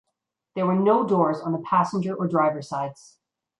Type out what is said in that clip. There were no doors on the passenger or driver sides.